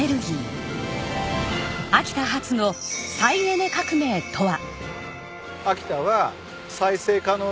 秋田発の再エネ革命とは？